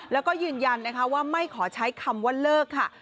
แล้วก็ยืนยันนะคะว่าไม่ขอใช้คำว่าเลิกค่ะ